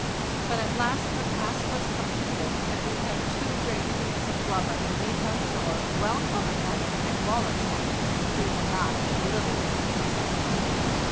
When at last the task was completed, and we had two great heaps of blubber and meat on shore, well covered by the thick walrus hides, we were not a little pleased.